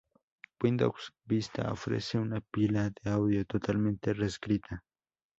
Windows Vista ofrece una pila de audio totalmente reescrita.